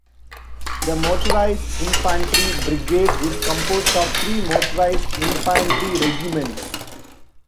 The motorized infantry brigade is composed of three motorized infantry regiments.